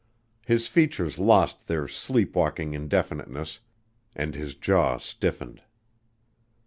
His features lost their sleep walking indefiniteness and his jaw stiffened.